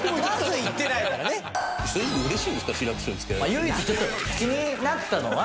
唯一ちょっと気になったのは。